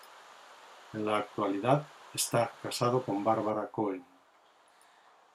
En la actualidad está casado con Barbara Cohen.